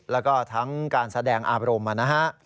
แล้วก็ทั้งการแสดงอารมณ์นะฮะ